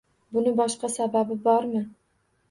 Buni boshqa sababi bormi?